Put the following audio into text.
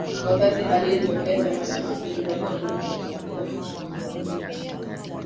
wakati hali ikitokea chama cha muslim brotherhood kimejitokeza na kusema kuwa